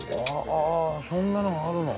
ああそんなのがあるの。